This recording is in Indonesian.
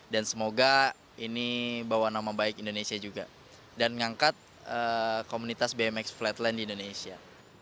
dan semoga ini bawa nama baik indonesia juga dan ngangkat komunitas bmx flatline di indonesia